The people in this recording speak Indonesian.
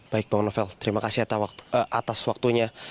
baik bang novel terima kasih atas waktunya